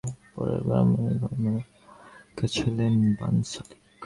প্রথম ছবি খামোশি ফ্লপ হওয়ার পরপরই রামলীলার গল্প মনে এঁকেছিলেন বানসালি।